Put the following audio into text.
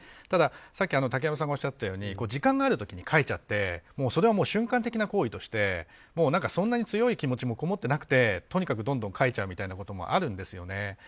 ただ、さっき竹山君がおっしゃったように時間があるときに書いちゃうとそれは瞬間的な行為として書いちゃってそんなに強い気持ちもこもっていなくてとにかくどんどん書いちゃうみたいなこともあるんですよね。